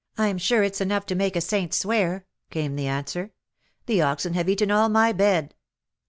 *' I'm sure it's enough to make a saint swear," came the answer, —the oxen have eaten all my bed